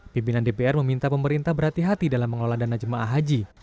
pimpinan dpr meminta pemerintah berhati hati dalam mengelola dana jemaah haji